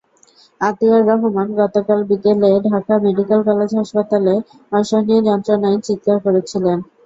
আতিয়ার রহমান গতকাল বিকেলে Dhaka medical college হাসপাতালে অসহনীয় যন্ত্রণায় চিৎকার করছিলেন।